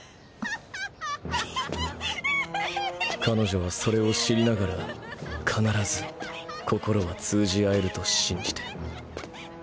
彼女はそれを知りながら必ず心は通じ合えると信じて。